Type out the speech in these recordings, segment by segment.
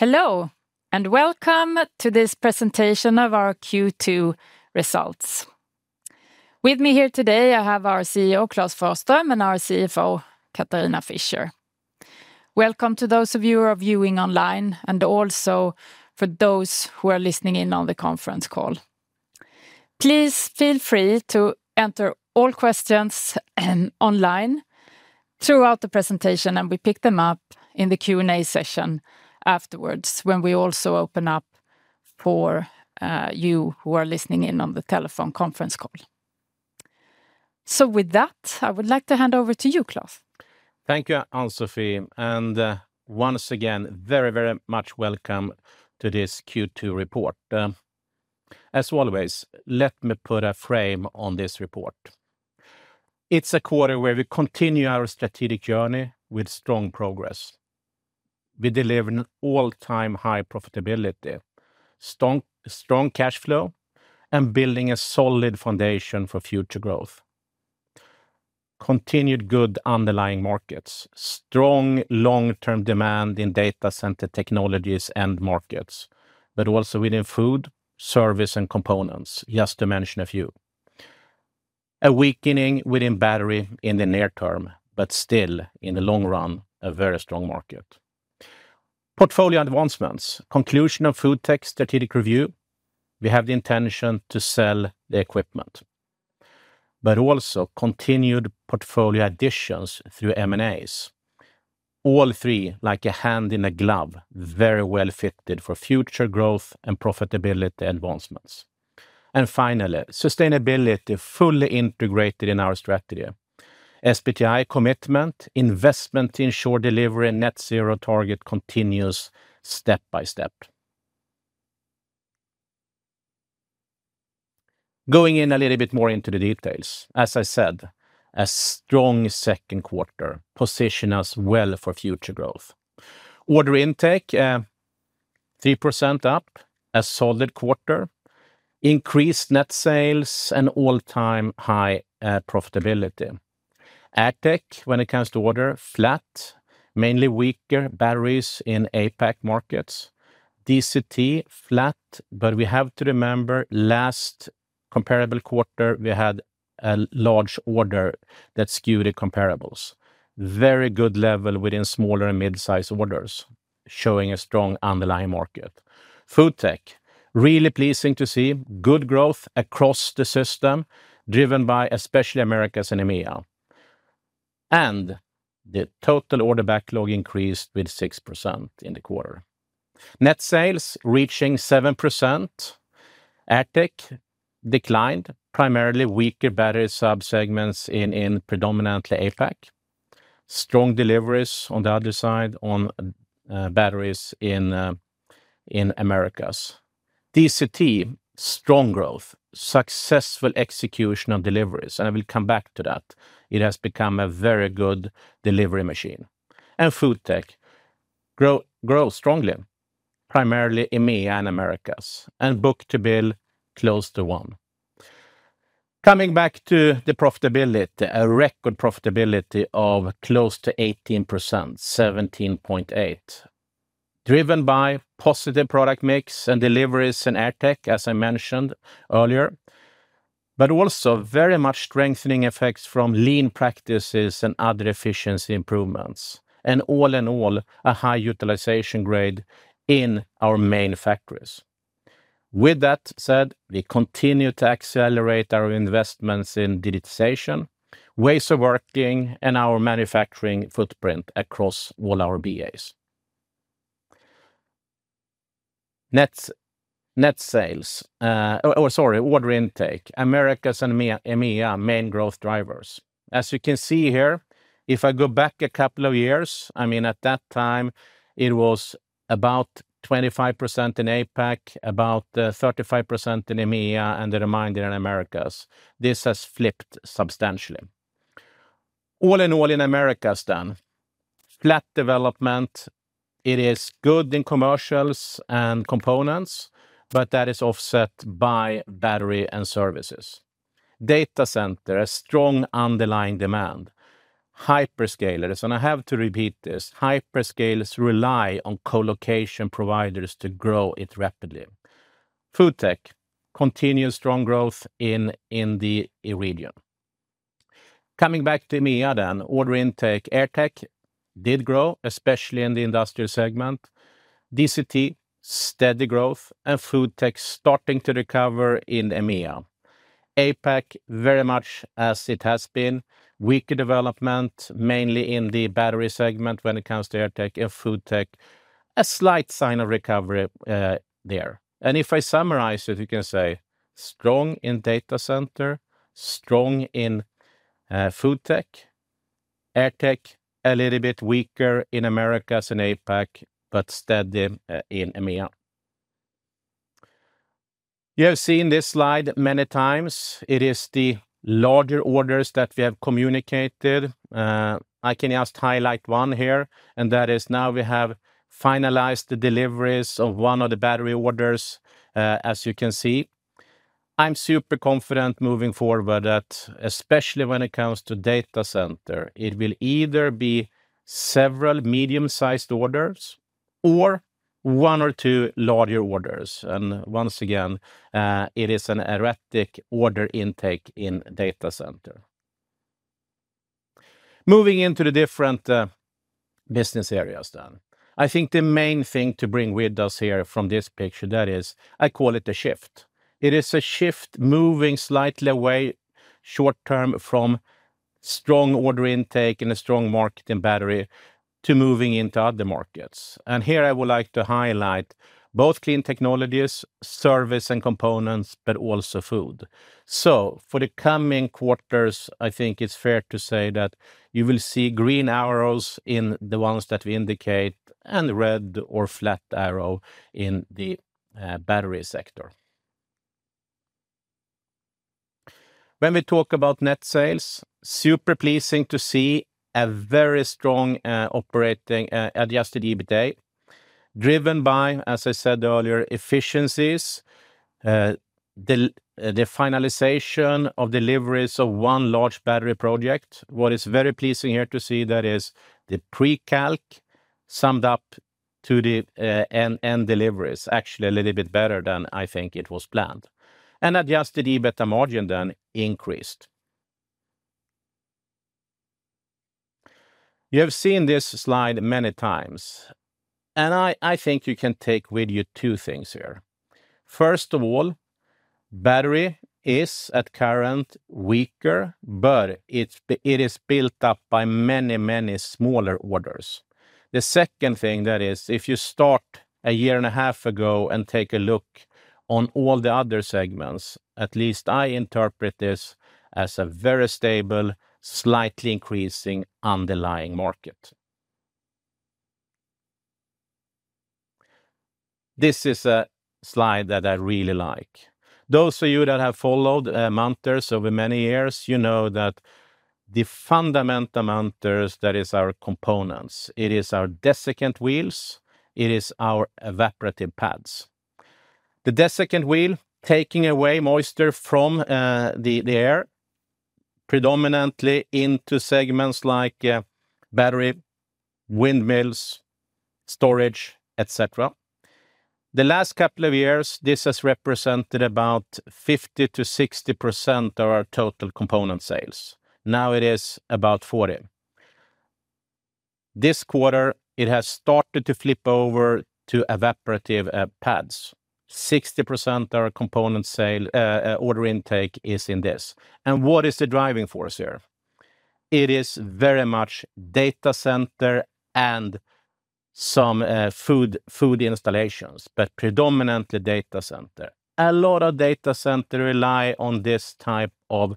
...Hello, and welcome to this presentation of our Q2 results. With me here today, I have our CEO, Klas Forsström, and our CFO, Katharina Fischer. Welcome to those of you who are viewing online, and also for those who are listening in on the conference call. Please feel free to enter all questions online throughout the presentation, and we pick them up in the Q&A session afterwards, when we also open up for you who are listening in on the telephone conference call. With that, I would like to hand over to you, Klas. Thank you, Ann-Sofi, and once again, very, very much welcome to this Q2 report. As always, let me put a frame on this report. It's a quarter where we continue our strategic journey with strong progress. We deliver an all-time high profitability, strong cash flow, and building a solid foundation for future growth. Continued good underlying markets, strong long-term demand in data center technologies end markets, but also within food, service, and components, just to mention a few. A weakening within battery in the near term, but still, in the long run, a very strong market. Portfolio advancements, conclusion of Foodtech strategic review, we have the intention to sell the equipment, but also continued portfolio additions through M&As. All three, like a hand in a glove, very well-fitted for future growth and profitability advancements. And finally, sustainability, fully integrated in our strategy. SBTi commitment, investment to ensure delivery, and net zero target continues step by step. Going in a little bit more into the details, as I said, a strong Q2 position us well for future growth. Order intake, 3% up, a solid quarter, increased net sales, and all-time high profitability. AirTech, when it comes to order, flat, mainly weaker batteries in APAC markets. DCT, flat, but we have to remember, last comparable quarter, we had a large order that skewed the comparables. Very good level within smaller and mid-size orders, showing a strong underlying market. FoodTech, really pleasing to see good growth across the system, driven by especially Americas and EMEA. And the total order backlog increased with 6% in the quarter. Net sales reaching 7%. AirTech declined, primarily weaker battery sub-segments in, in predominantly APAC. Strong deliveries on the other side, on batteries in Americas. DCT, strong growth, successful execution on deliveries, and I will come back to that. It has become a very good delivery machine. FoodTech grow, grow strongly, primarily EMEA and Americas, and book to bill close to one. Coming back to the profitability, a record profitability of close to 18%, 17.8%, driven by positive product mix and deliveries in AirTech, as I mentioned earlier. But also very much strengthening effects from lean practices and other efficiency improvements. All in all, a high utilization grade in our main factories. With that said, we continue to accelerate our investments in digitization, ways of working, and our manufacturing footprint across all our BAs. Net, net sales, or, sorry, order intake, Americas and EMEA, main growth drivers. As you can see here, if I go back a couple of years, I mean, at that time, it was about 25% in APAC, about 35% percent in EMEA, and the remainder in Americas. This has flipped substantially. All in all, in Americas, then, flat development, it is good in commercials and components, but that is offset by battery and services. Data center, a strong underlying demand. Hyperscalers, and I have to repeat this, hyperscalers rely on co-location providers to grow it rapidly. FoodTech, continued strong growth in the EMEA region. Coming back to EMEA, then, order intake, AirTech did grow, especially in the industrial segment. DCT, steady growth, and FoodTech starting to recover in EMEA. APAC, very much as it has been, weaker development, mainly in the battery segment when it comes to AirTech and FoodTech. A slight sign of recovery there. If I summarize it, you can say, strong in data center, strong in FoodTech, AirTech, a little bit weaker in Americas and APAC, but steady in EMEA. You have seen this slide many times. It is the larger orders that we have communicated. I can just highlight one here, and that is now we have finalized the deliveries of one of the battery orders, as you can see. I'm super confident moving forward, but that especially when it comes to data center, it will either be several medium-sized orders or one or two larger orders and once again, it is an erratic order intake in data center. Moving into the different business areas then, I think the main thing to bring with us here from this picture, that is, I call it a shift. It is a shift moving slightly away short term from strong order intake and a strong market in battery, to moving into other markets. And here I would like to highlight both clean technologies, service, and components, but also food. So, for the coming quarters, I think it's fair to say that you will see green arrows in the ones that we indicate, and red or flat arrow in the battery sector. When we talk about net sales, super pleasing to see a very strong operating adjusted EBITDA, driven by, as I said earlier, efficiencies, the finalization of deliveries of one large battery project. What is very pleasing here to see, that is the pre-calc summed up to the end deliveries, actually a little bit better than I think it was planned. And adjusted EBITDA margin then increased. You have seen this slide many times, and I, I think you can take with you two things here. First of all, battery is at current, weaker, but, it is built up by many, many smaller orders. The second thing, that is, if you start a year and a half ago and take a look on all the other segments, at least I interpret this as a very stable, slightly increasing underlying market. This is a slide that I really like. Those of you that have followed Munters over many years, you know that the fundamental Munters, that is our components. It is our desiccant wheels. It is our evaporative pads. The desiccant wheel, taking away moisture from the air, predominantly into segments like battery, windmills, storage, et cetera. The last couple of years, this has represented about 50%-60% of our total component sales. Now it is about 40%. This quarter, it has started to flip over to evaporative pads. 60% of our component sale order intake is in this. And what is the driving force here? It is very much data center and some food, food installations, but predominantly data center a lot of data center rely on this type of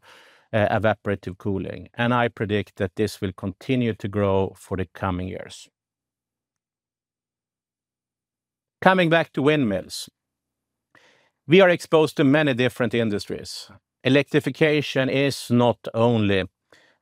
evaporative cooling, and I predict that this will continue to grow for the coming years. Coming back to windmills, we are exposed to many different industries. Electrification is not only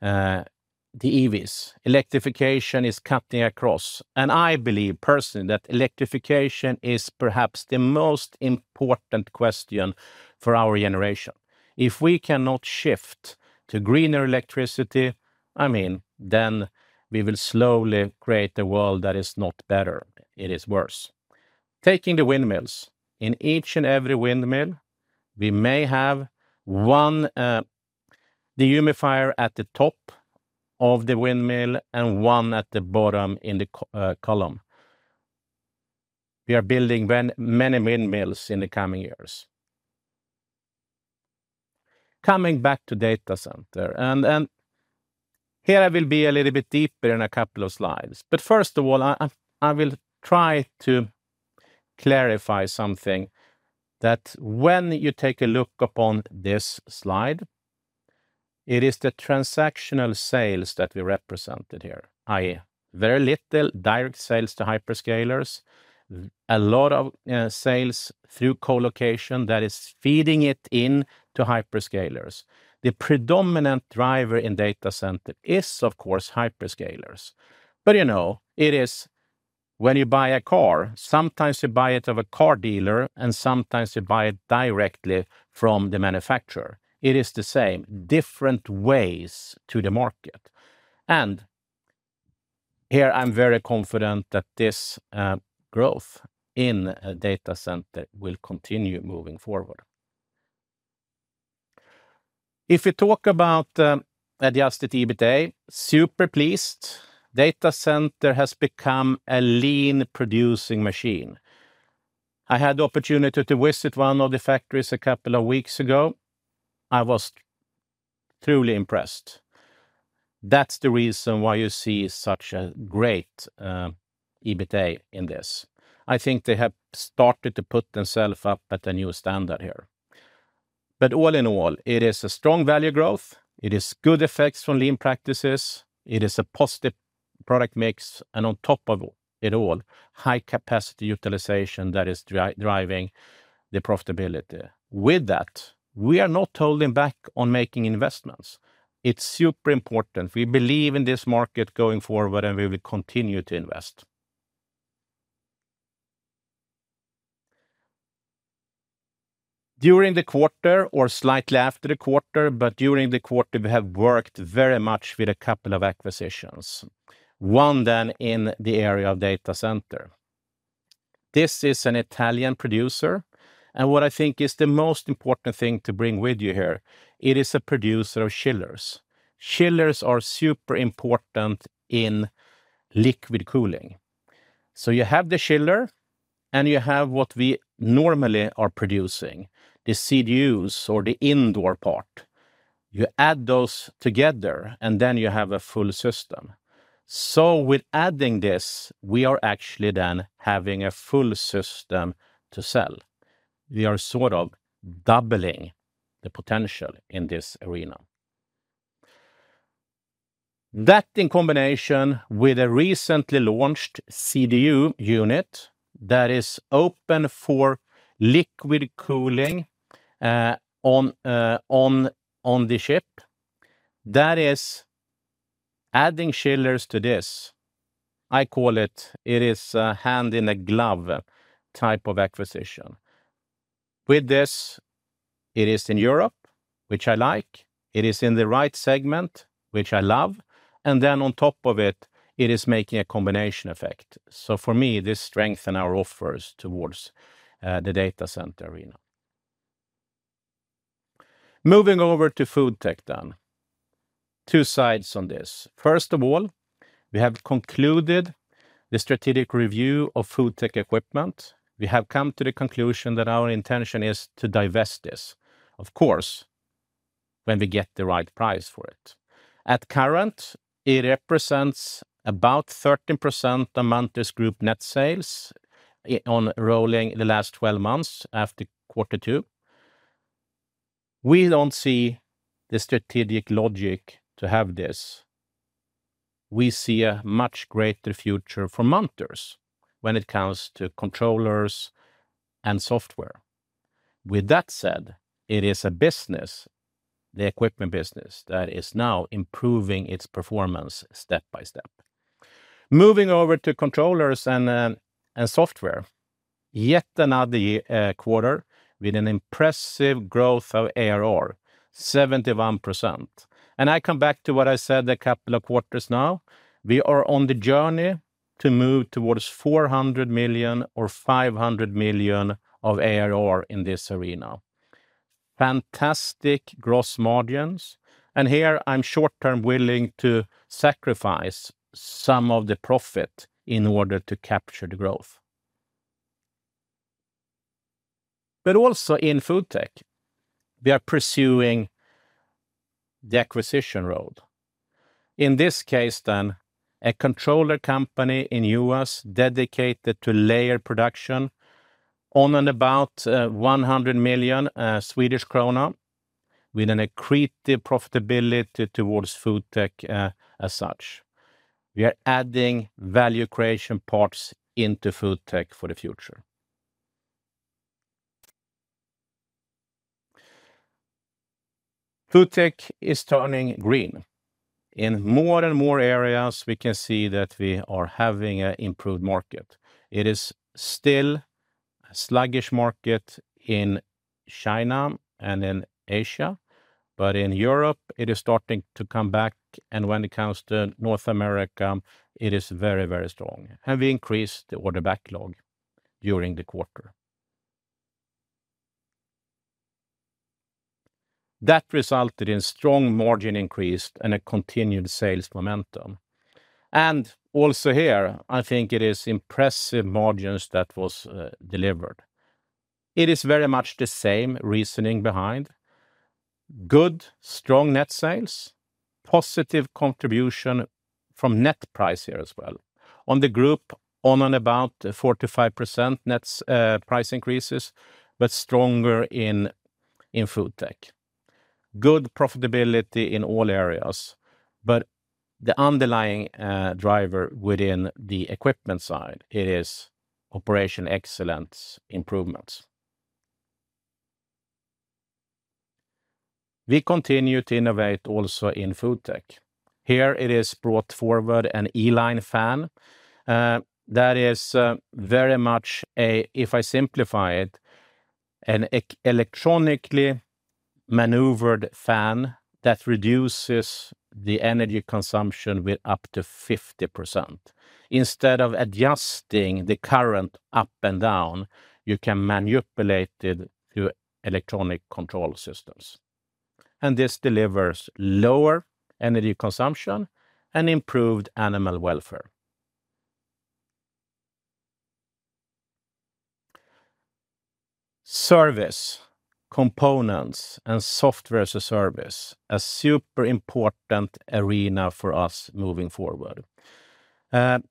the EVs. Electrification is cutting across, and I believe personally, that electrification is perhaps the most important question for our generation. If we cannot shift to greener electricity, I mean, then we will slowly create a world that is not better, it is worse. Taking the windmills, in each and every windmill, we may have one dehumidifier at the top of the windmill and one at the bottom in the column. We are building many windmills in the coming years. Coming back to data center, and here I will be a little bit deeper in a couple of slides but first of all, I will try to clarify something, that when you take a look upon this slide, it is the transactional sales that we represented here, i.e., very little direct sales to hyperscalers, a lot of sales through co-location that is feeding it in to hyperscalers. The predominant driver in data center is, of course, hyperscalers. But, you know, it is when you buy a car, sometimes you buy it of a car dealer, and sometimes you buy it directly from the manufacturer. It is the same, different ways to the market. And, here I'm very confident that this, growth in, data center will continue moving forward. If you talk about, adjusted EBITDA, super pleased. Data center has become a lean-producing machine. I had the opportunity to visit one of the factories a couple of weeks ago. I was truly impressed. That's the reason why you see such a great, EBITDA in this. I think they have started to put themselves up at a new standard here. But all in all, it is a strong value growth, it is good effects from Lean practices, it is a positive product mix, and on top of it all, high-capacity utilization that is driving the profitability. With that, we are not holding back on making investments. It's super important we believe in this market going forward, and we will continue to invest. During the quarter, or slightly after the quarter, but during the quarter, we have worked very much with a couple of acquisitions. One then in the area of data center. This is an Italian producer, and what I think is the most important thing to bring with you here, it is a producer of chillers. Chillers are super important in liquid cooling. So you have the chiller, and you have what we normally are producing, the CDUs or the indoor part. You add those together, and then you have a full system. So with adding this, we are actually then having a full system to sell. We are sort of doubling the potential in this arena. That, in combination with a recently launched CDU unit that is open for liquid cooling, on the ship, that is adding chillers to this. I call it, it is a hand in a glove type of acquisition. With this, it is in Europe, which I like. It is in the right segment, which I love, and then on top of it, it is making a combination effect for me, this strengthen our offers towards the data center arena. Moving over to FoodTech then. Two sides on this. First of all, we have concluded the strategic review of FoodTech equipment. We have come to the conclusion that our intention is to divest this, of course, when we get the right price for it. At current, it represents about 13% of Munters Group net sales i- on rolling the last twelve months after Q2. We don't see the strategic logic to have this. We see a much greater future for Munters when it comes to controllers and software. With that said, it is a business, the equipment business, that is now improving its performance step by step. Moving over to controllers and software, yet another quarter with an impressive growth of ARR, 71%. And I come back to what I said a couple of quarters now, we are on the journey to move towards 400 million or 500 million of ARR in this arena. Fantastic gross margins, and here I'm short term willing to sacrifice some of the profit in order to capture the growth. But also in FoodTech, we are pursuing the acquisition road. In this case then, a controller company in U.S. dedicated to layer production on and about 100 million Swedish krona, with an accretive profitability towards FoodTech, as such. We are adding value creation parts into FoodTech for the future. FoodTech is turning green. In more and more areas, we can see that we are having a improved market. It is still a sluggish market in China and in Asia, but in Europe, it is starting to come back, and when it comes to North America, it is very, very strong, and we increased the order backlog during the quarter. That resulted in strong margin increase and a continued sales momentum. And, also here, I think it is impressive margins that was delivered. It is very much the same reasoning behind. Good, strong net sales, positive contribution from net price here as well. On the group, on and about 45% net price increases, but stronger in FoodTech. Good profitability in all areas, but the underlying driver within the equipment side, it is operational excellence improvements. We continue to innovate also in FoodTech. Here, it is brought forward an E-line fan that is very much a, if I simplify it, an electronically maneuvered fan that reduces the energy consumption with up to 50%. Instead of adjusting the current up and down, you can manipulate it through electronic control systems, and this delivers lower energy consumption and improved animal welfare. Service, components, and software as a service, a super important arena for us moving forward.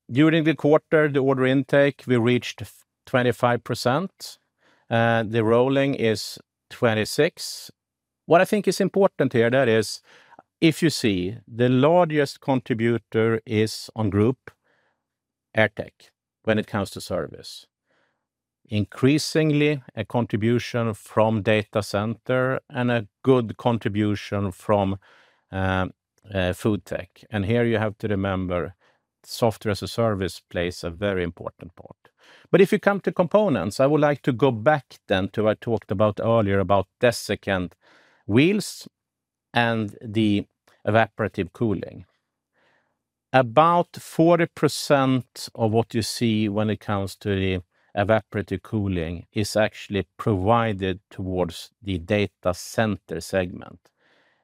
During the quarter, the order intake, we reached 25%. The rolling is 26%. What I think is important here, that is, if you see, the largest contributor is on group AirTech, when it comes to service. Increasingly, a contribution from data center and a good contribution from FoodTech. And here you have to remember, software as a service plays a very important part. But if you come to components, I would like to go back then to what I talked about earlier, about desiccant wheels and the evaporative cooling. About 40% of what you see when it comes to the evaporative cooling is actually provided towards the data center segment.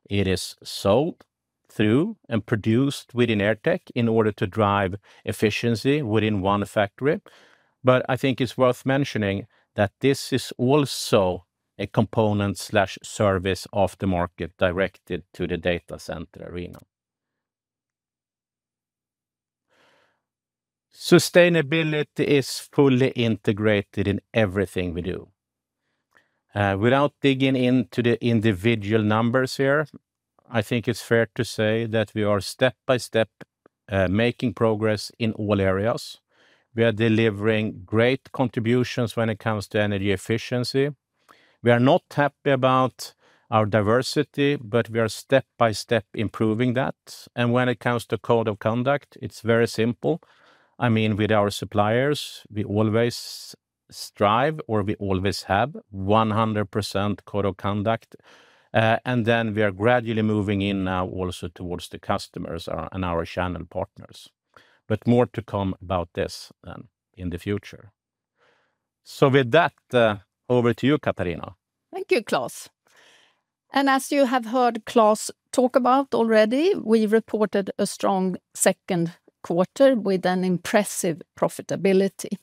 It is sold through and produced within AirTech in order to drive efficiency within one factory. But I think it's worth mentioning that this is also a component/service of the market directed to the data center arena. Sustainability is fully integrated in everything we do. Without digging into the individual numbers here, I think it's fair to say that we are step by step making progress in all areas. We are delivering great contributions when it comes to energy efficiency. We are not happy about our diversity, but we are step by step improving that. And when it comes to code of conduct, it's very simple. I mean, with our suppliers, we always strive, or we always have 100% code of conduct. And then we are gradually moving in now also towards the customers and our channel partners. But more to come about this in the future. So with that, over to you, Katharina. Thank you, Klas. As you have heard Klas talk about already, we reported a strong Q2 with an impressive profitability.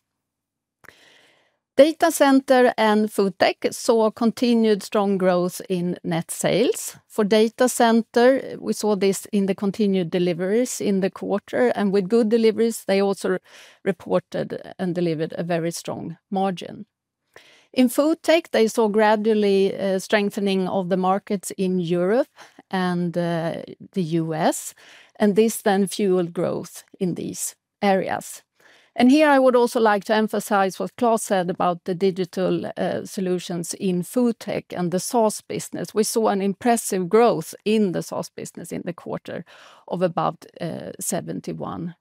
Data Center and FoodTech saw continued strong growth in net sales. For Data Center, we saw this in the continued deliveries in the quarter, and with good deliveries, they also reported and delivered a very strong margin. In FoodTech, they saw gradually strengthening of the markets in Europe and the US, and this then fueled growth in these areas. Here, I would also like to emphasize what Klas said about the digital solutions in FoodTech and the SaaS business we saw an impressive growth in the SaaS business in the quarter of about 71%,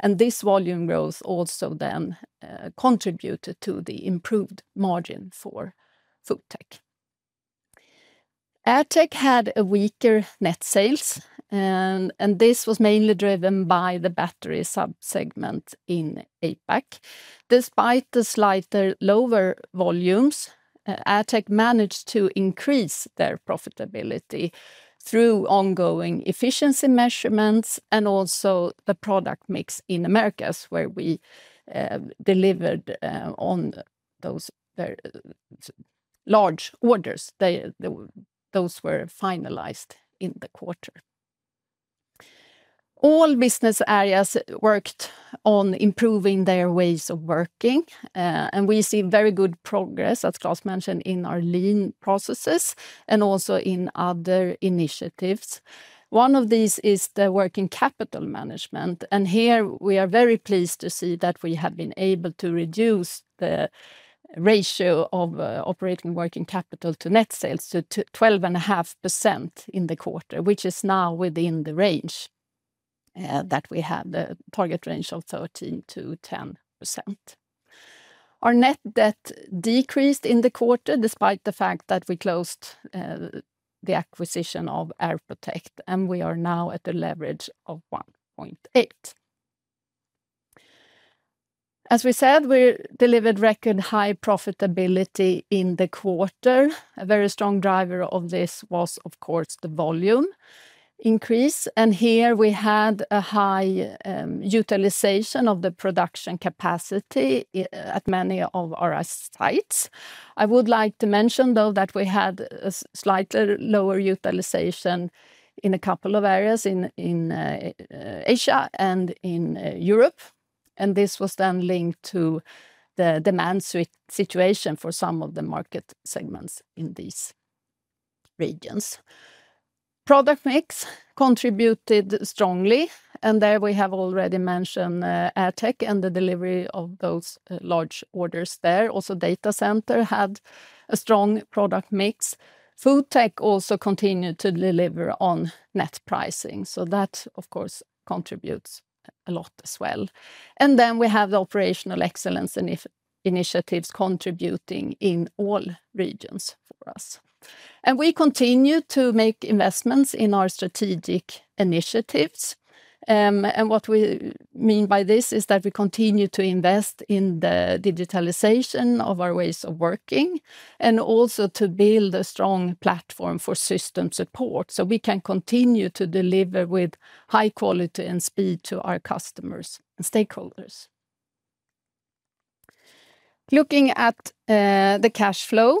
and this volume growth also then contributed to the improved margin for FoodTech. AirTech had a weaker net sales, and this was mainly driven by the battery sub-segment in APAC. Despite the slighter lower volumes, AirTech managed to increase their profitability through ongoing efficiency measurements and also the product mix in Americas, where we, delivered, on those very large orders those were finalized in the quarter. All business areas worked on improving their ways of working, and we see very good progress, as Klas mentioned, in our lean processes and also in other initiatives. One of these is the working capital management, and here we are very pleased to see that we have been able to reduce the ratio of, operating working capital to net sales to 12.5% in the quarter, which is now within the range, that we had, the target range of 13%-10%. Our net debt decreased in the quarter, despite the fact that we closed the acquisition of Airprotech, and we are now at the leverage of 1.8. As we said, we delivered record high profitability in the quarter. A very strong driver of this was, of course, the volume increase, and here we had a high utilization of the production capacity at many of our sites. I would like to mention, though, that we had a slightly lower utilization in a couple of areas in Asia and in Europe, and this was then linked to the demand situation for some of the market segments in these regions. Product mix contributed strongly, and there we have already mentioned Airprotech and the delivery of those large orders there also, data center had a strong product mix. Food tech also continued to deliver on net pricing, so that, of course, contributes a lot as well. And then we have the operational excellence initiatives contributing in all regions for us. And we continue to make investments in our strategic initiatives. And what we mean by this is that we continue to invest in the digitalization of our ways of working, and also to build a strong platform for system support, so we can continue to deliver with high quality and speed to our customers and stakeholders. Looking at the cash flow,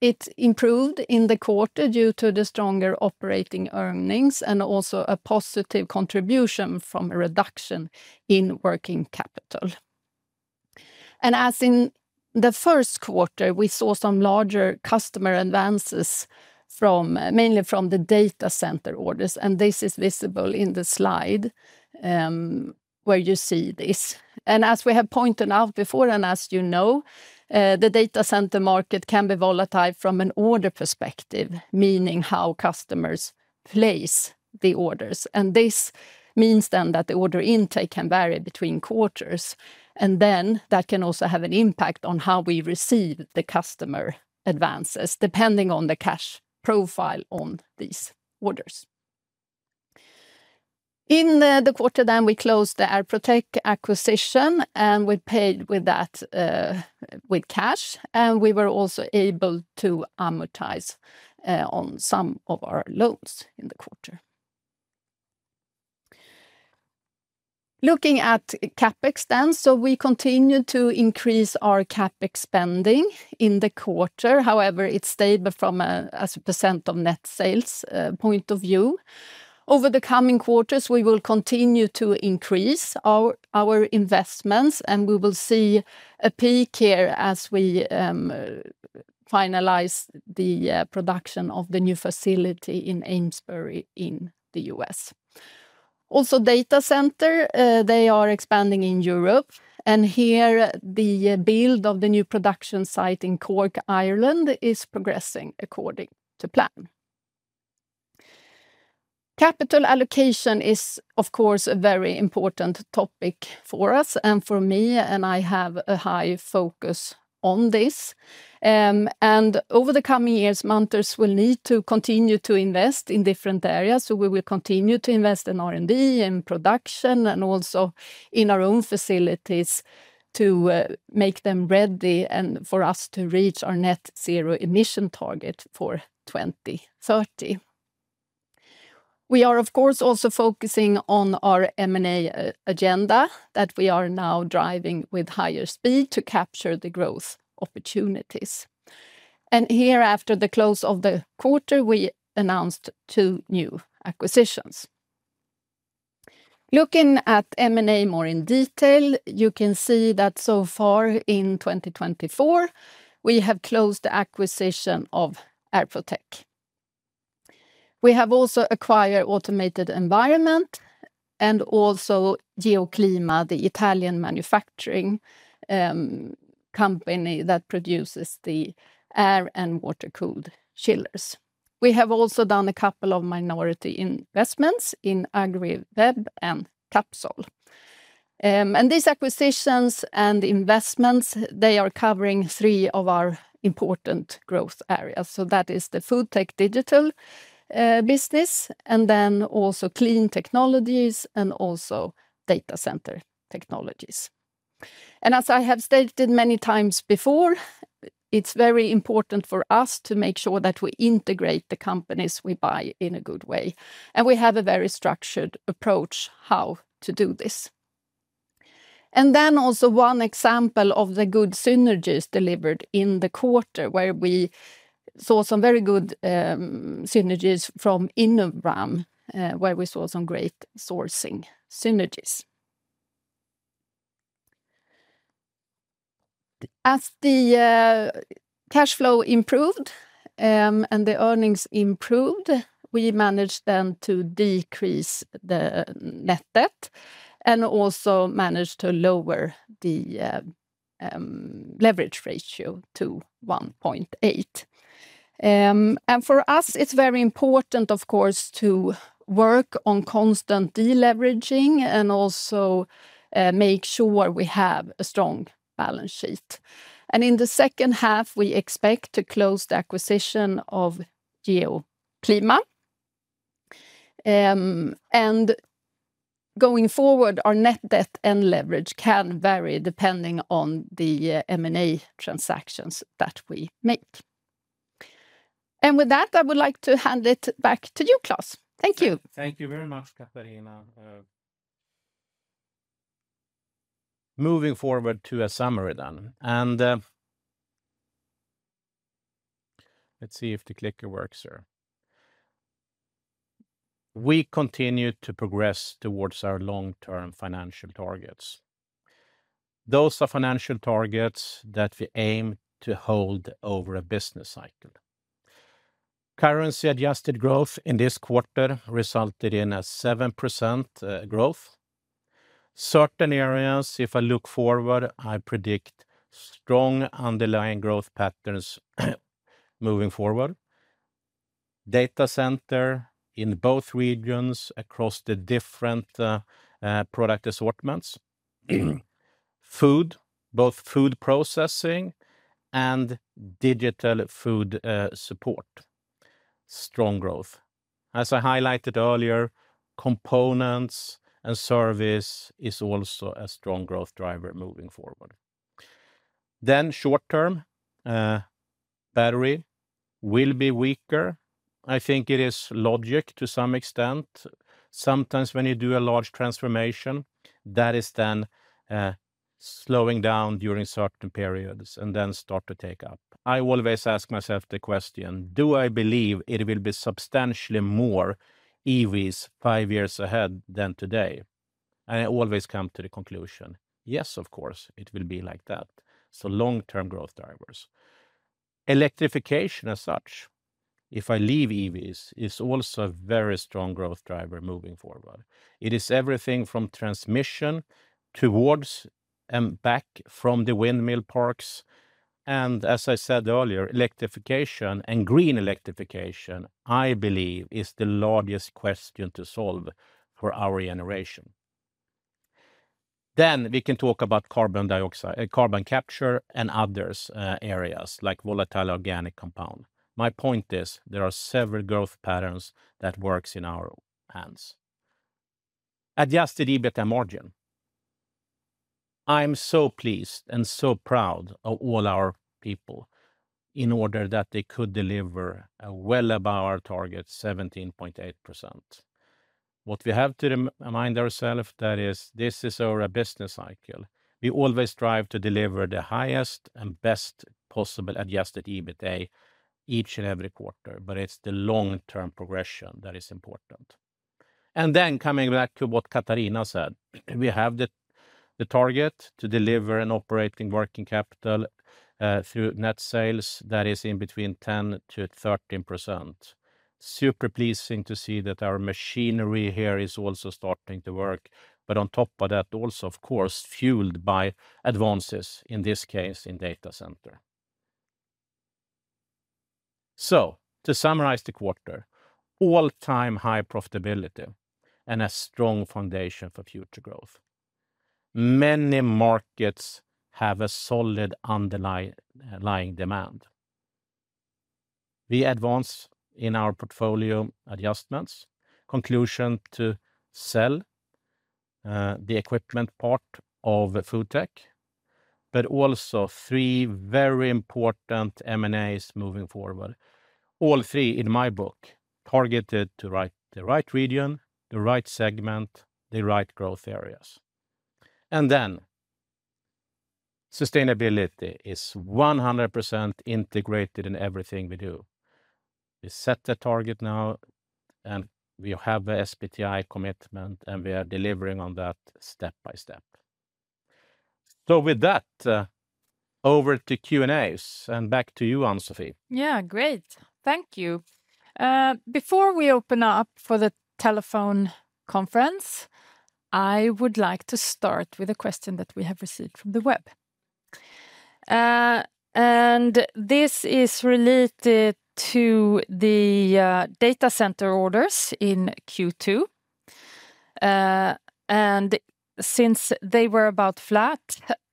it improved in the quarter due to the stronger operating earnings and also a positive contribution from a reduction in working capital. And as in the Q1, we saw some larger customer advances from, mainly from the data center orders, and this is visible in the slide where you see this, ass we have pointed out before, and as you know. The data center market can be volatile from an order perspective, meaning how customers place the orders this means then that the order intake can vary between quarters, and then that can also have an impact on how we receive the customer advances, depending on the cash profile on these orders. In the quarter, then we closed the Airprotech acquisition, and we paid with that, with cash, and we were also able to amortize on some of our loans in the quarter. Looking at CapEx then, so we continued to increase our CapEx spending in the quarter however, it stayed, but from a, as a percent of net sales point of view. Over the coming quarters, we will continue to increase our investments, and we will see a peak here as we finalize the production of the new facility in Amesbury, in the US. Also, data center they are expanding in Europe, and here, the build of the new production site in Cork, Ireland, is progressing according to plan. Capital allocation is, of course, a very important topic for us and for me, and I have a high focus on this. Over the coming years, Munters will need to continue to invest in different areas, so we will continue to invest in R&D and production and also in our own facilities to make them ready and for us to reach our net zero emission target for 2030. We are, of course, also focusing on our M&A agenda, that we are now driving with higher speed to capture the growth opportunities. And here, after the close of the quarter, we announced two new acquisitions. Looking at M&A more in detail, you can see that so far in 2024, we have closed the acquisition of Airprotech. We have also acquired Automated Environment and also Geoclima, the Italian manufacturing company that produces the air and water-cooled chillers. We have also done a couple of minority investments in AgriWebb and Capsol. And these acquisitions and investments, they are covering three of our important growth areas so, that is the FoodTech digital business, and then also clean technologies, and also data center technologies. As I have stated many times before, it's very important for us to make sure that we integrate the companies we buy in a good way, and we have a very structured approach how to do this. And then also one example of the good synergies delivered in the quarter, where we saw some very good synergies from Inobram, where we saw some great sourcing synergies. As the cash flow improved, and the earnings improved, we managed then to decrease the net debt and also managed to lower the leverage ratio to 1.8. For us, it's very important, of course, to work on constant deleveraging and also make sure we have a strong balance sheet. In the second half, we expect to close the acquisition of Geoclima. Going forward, our net debt and leverage can vary depending on the M&A transactions that we make. And with that, I would like to hand it back to you, Klas. Thank you. Thank you very much, Katharina. Moving forward to a summary then, and... Let's see if the clicker works here. We continue to progress towards our long-term financial targets. Those are financial targets that we aim to hold over a business cycle. Currency-adjusted growth in this quarter resulted in a 7% growth. Certain areas, if I look forward, I predict strong underlying growth patterns moving forward. Data center in both regions across the different product assortments. Food, both food processing and digital food support, strong growth. As I highlighted earlier, components and service is also a strong growth driver moving forward. Then short term, battery will be weaker. I think it is logic to some extent. Sometimes when you do a large transformation, that is then slowing down during certain periods and then start to take up. I always ask myself the question: Do I believe it will be substantially more EVs five years ahead than today? I always come to the conclusion, yes, of course, it will be like that, so long-term growth drivers. Electrification, as such... If I leave EVs, it's also a very strong growth driver moving forward. It is everything from transmission towards and back from the windmill parks. And as I said earlier, electrification and green electrification, I believe, is the largest question to solve for our generation. Then we can talk about carbon dioxide, carbon capture, and others, areas, like volatile organic compound. My point is, there are several growth patterns that works in our hands. Adjusted EBITDA margin. I'm so pleased and so proud of all our people in order that they could deliver, well above our target, 17.8%. What we have to remind ourselves that is this is our business cycle. We always strive to deliver the highest and best possible adjusted EBITDA each and every quarter, but it's the long-term progression that is important. And then coming back to what Katharina said, we have the target to deliver an operating working capital through net sales that is in between 10%-13%. Super pleasing to see that our machinery here is also starting to work, but on top of that, also, of course, fueled by advances, in this case, in data center. So, to summarize the quarter, all-time high profitability and a strong foundation for future growth. Many markets have a solid underlying demand. We advance in our portfolio adjustments, conclusion to sell the equipment part of FoodTech, but also three very important M&As moving forward. All three, in my book, targeted to the right region, the right segment, the right growth areas. And then, sustainability is 100% integrated in everything we do. We set the target now, and we have a SPTI commitment, and we are delivering on that step by step. So with that, over to Q and As, and back to you, Ann-Sofi. Yeah, great. Thank you. Before we open up for the telephone conference, I would like to start with a question that we have received from the web. This is related to the data center orders in Q2. Since they were about flat,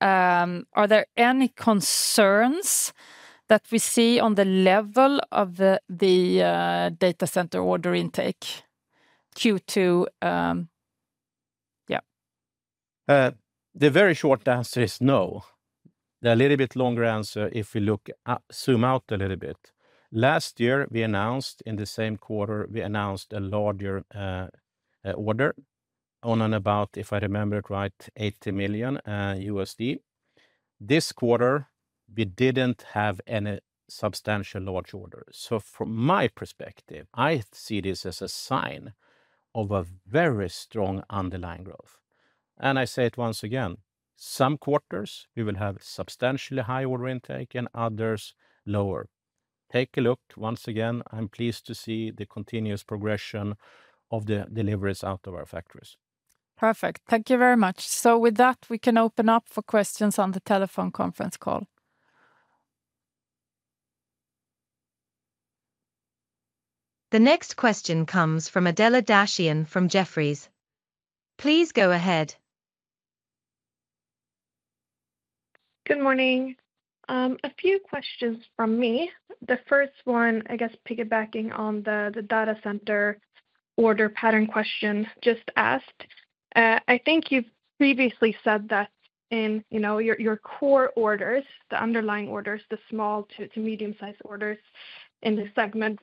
are there any concerns that we see on the level of the data center order intake, Q2? Yeah. The very short answer is no. The little bit longer answer, if we look at zoom out a little bit, last year, we announced, in the same quarter, we announced a larger order on and about, if I remember it right, $80 million. This quarter, we didn't have any substantial large orders, so from my perspective, I see this as a sign of a very strong underlying growth. And I say it once again, some quarters we will have substantially high order intake, and others lower. Take a look once again, I'm pleased to see the continuous progression of the deliveries out of our factories. Perfect. Thank you very much. With that, we can open up for questions on the telephone conference call. The next question comes from Adela Dashian from Jefferies. Please go ahead. Good morning. A few questions from me. The first one, I guess, piggybacking on the data center order pattern question just asked. I think you've previously said that in, you know, your core orders, the underlying orders, the small to medium-sized orders in this segment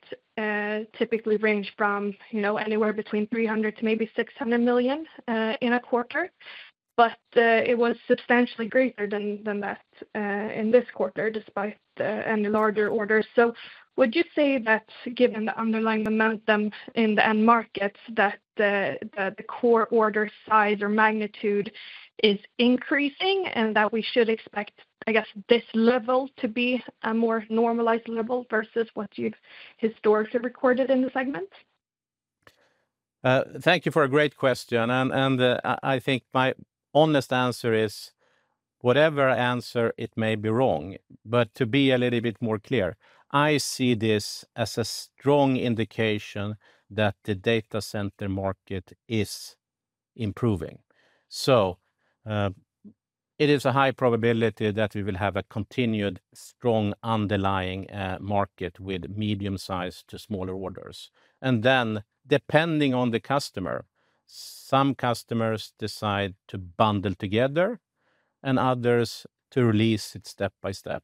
typically range from, you know, anywhere between 300 million to maybe 600 million in a quarter. But it was substantially greater than that in this quarter, despite any larger order. So would you say that given the underlying momentum in the end markets, the core order size or magnitude is increasing, and that we should expect, I guess, this level to be a more normalized level versus what you've historically recorded in the segment? Thank you for a great question, and I think my honest answer is, whatever answer, it may be wrong. But to be a little bit more clear, I see this as a strong indication that the data center market is improving. So, it is a high probability that we will have a continued strong underlying market with medium-sized to smaller orders. And then, depending on the customer, some customers decide to bundle together, and others to release it step by step.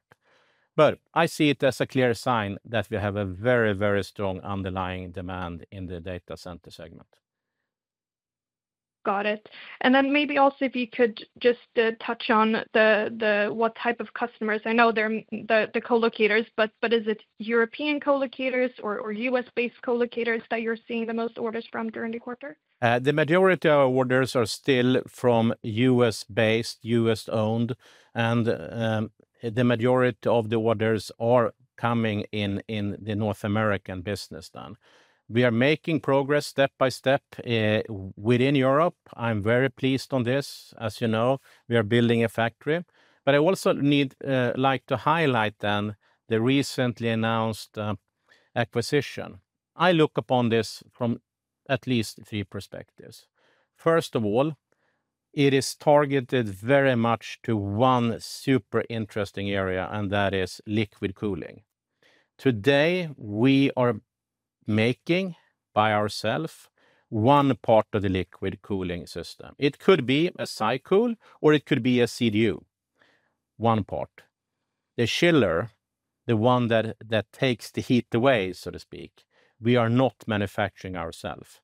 But, I see it as a clear sign that we have a very, very strong underlying demand in the data center segment. Got it. And then maybe also if you could just touch on the what type of customers i know they're the co-locators, but is it European co-locators or US-based co-locators that you're seeing the most orders from during the quarter? The majority of our orders are still from U.S.-based, U.S.-owned, and the majority of the orders are coming in, in the North American business then. We are making progress step-by-step within Europe. I'm very pleased on this. As you know, we are building a factory. But I also need, like, to highlight then the recently announced acquisition. I look upon this from at least three perspectives. First of all, it is targeted very much to one super interesting area, and that is liquid cooling. Today, we are making, by ourselves, one part of the liquid cooling system it could be a SyCool, or it could be a CDU. One part. The chiller, the one that takes the heat away, so to speak, we are not manufacturing ourselves.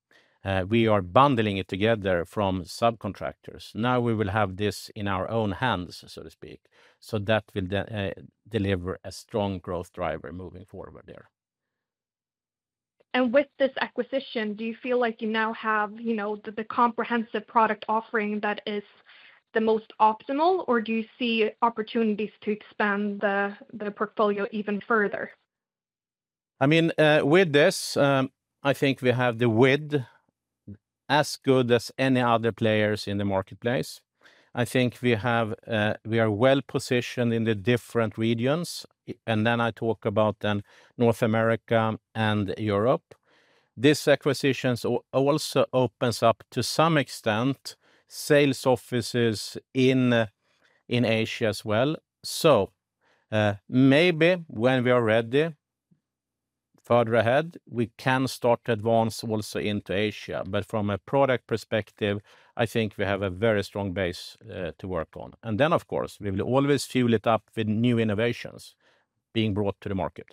We are bundling it together from subcontractors. Now we will have this in our own hands, so to speak, so that will then deliver a strong growth driver moving forward there. With this acquisition, do you feel like you now have, you know, the comprehensive product offering that is the most optimal? or do you see opportunities to expand the portfolio even further? I mean, with this, I think we have the width as good as any other players in the marketplace. I think we have, we are well-positioned in the different regions, and then I talk about North America and Europe. These acquisitions also opens up, to some extent, sales offices in Asia as well. So, maybe when we are ready, further ahead, we can start to advance also into Asia but, from a product perspective, I think we have a very strong base, to work on and then, of course, we will always fuel it up with new innovations being brought to the market.